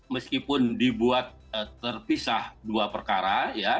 meskipun dibuat terpisah dua perkara ya